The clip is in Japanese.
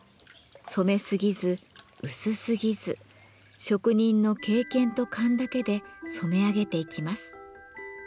染めすぎず薄すぎず職人の経験と勘だけで染め上げていきます。